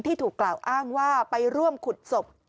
ถูกกล่าวอ้างว่าไปร่วมขุดศพ